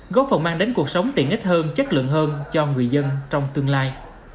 góp phần mang đến cuộc sống tiện ích hơn chất lượng hơn cho người dân trong tương lai